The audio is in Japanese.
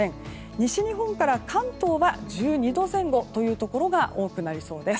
西日本から関東は１２度前後というところが多くなりそうです。